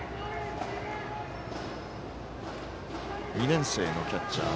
２年生のキャッチャー。